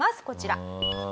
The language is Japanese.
こちら。